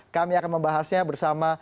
kami akan membahasnya bersama